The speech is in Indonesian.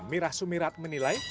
mirah sumirat menilai